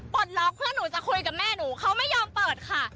ปลดล็อกเพื่อหนูจะคุยกับแม่หนูเขาไม่ยอมเปิดค่ะ